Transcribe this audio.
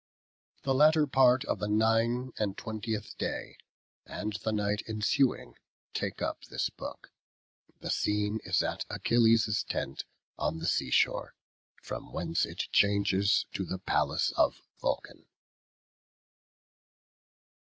The latter part of the nine and twentieth day, and the night ensuing, take up this book. The scene is at Achilles' tent on the seashore, from whence it changes to the palace of Vulcan.